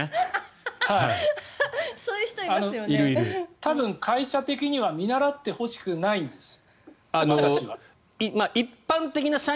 多分、会社的には見習ってほしくないんですよ